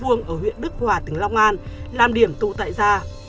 ở huyện đức hòa tỉnh long an làm điểm tụ tại gia